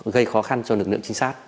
gây khó khăn cho lực lượng chính sát